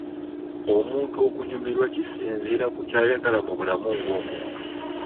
Omuntu okunyumirwa kisinziira ku ky'ayagala mu bulamu ng'omuntu.